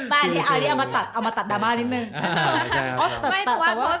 บ้านี่เอาอันนี้เอามาตัดดราม่านิดนึง